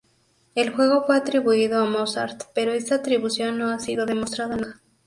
El juego fue atribuido a Mozart, pero esta atribución no ha sido demostrada nunca.